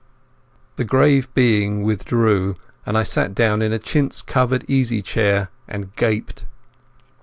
The grave being withdrew, and I sat down in a chintz covered easy chair and gaped.